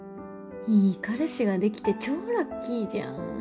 いい彼氏ができて超ラッキーじゃん。